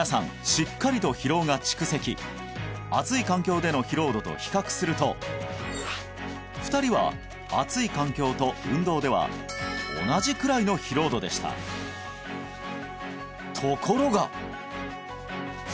しっかりと疲労が蓄積暑い環境での疲労度と比較すると２人は暑い環境と運動では同じくらいの疲労度でしたところが！